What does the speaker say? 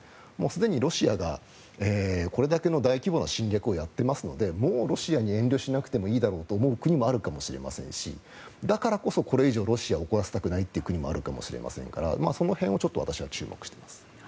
すでにロシアがこれだけの大規模な侵略をやっていますのでもうロシアに遠慮しなくてもいいだろうと思う国もあるかもしれませんしだからこそ、これ以上ロシアを怒らせたくないという国もあるかもしれませんからその辺を私は注目しています。